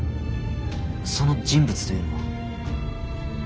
その人物というのは？